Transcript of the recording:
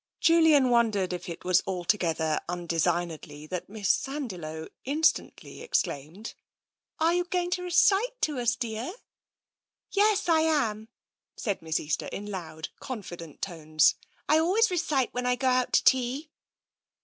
Julian wondered if it was altogether undesignedly that Miss Sandiloe instantly exclaimed: " Are you going to recite to us, dear? "" Yes, I am," said Miss Easter in loud, confident tones. " I always recite when I go out to tea."